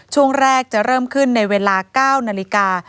ช่วงแรกจะเริ่มขึ้นในเวลา๙นาฬิกา